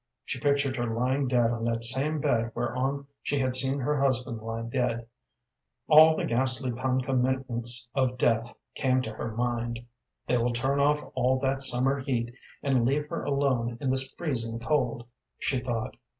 She pictured her lying dead on that same bed whereon she had seen her husband lie dead. All the ghastly concomitants of death came to her mind. "They will turn off all that summer heat, and leave her alone in this freezing cold," she thought.